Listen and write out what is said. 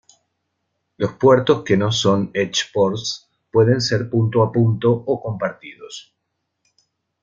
Los puertos que no son "edge-ports" pueden ser punto a punto o compartidos.